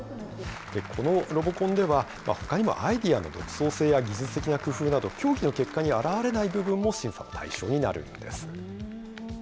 このロボコンでは、ほかにもアイデアの独創性や技術的な工夫など、競技の結果に表れない部分も審査の対象になるんです。